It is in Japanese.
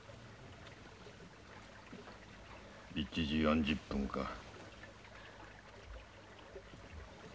１時４０分か。